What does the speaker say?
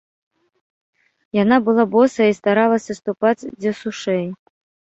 Яна была босая і старалася ступаць дзе сушэй.